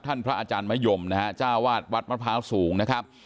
พระอาจารย์มะยมนะฮะจ้าวาดวัดมะพร้าวสูงนะครับ